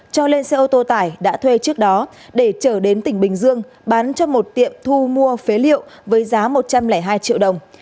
cho lên xe ô tô tải đã thuê trước đó để trở đến tỉnh bình dương bán cho một tiệm thu mua phế liệu với giá một trăm linh hai triệu đồng